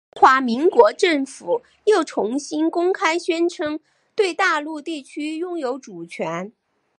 中华民国政府又重新公开宣称对大陆地区拥有主权。